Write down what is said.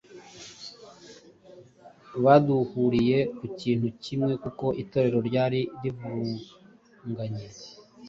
badahuriye ku kintu kimwe, kuko iteraniro ryari rivurunganye,